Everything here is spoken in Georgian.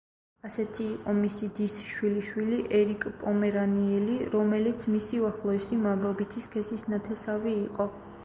ასეთი იყო მისი დის შვილიშვილი ერიკ პომერანიელი, რომელიც მისი უახლოესი მამრობითი სქესის ნათესავი იყო.